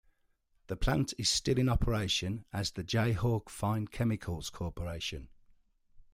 The plant is still in operation as the Jayhawk Fine Chemicals Corporation.